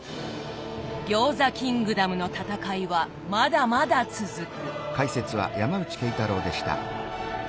餃子キングダムの戦いはまだまだ続く。